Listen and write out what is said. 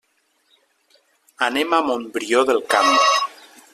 Anem a Montbrió del Camp.